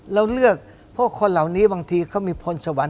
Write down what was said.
เราเลือกพวกคนเหล่านี้บางทีเขามีพรสวรร